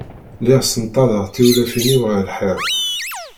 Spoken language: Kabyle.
Lliɣ ssenṭaḍeɣ tiwlafin-iw ɣer lḥiḍ.